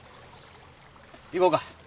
行こうか。